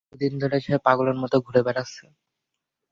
দুদিন ধরে সে পাগলের মত ঘুরে বেড়াচ্ছে।